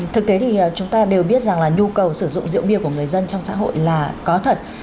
thực tế thì chúng ta đều biết rằng là nhu cầu sử dụng rượu bia của người dân trong xã hội là có thật